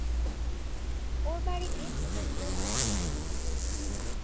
ওর বাড়িতে ভূতের উপদ্রব ছিল।